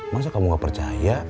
masa kamu gak percaya